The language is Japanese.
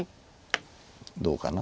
どうかな？